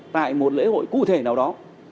tại một lễ hội cụ thể nào đó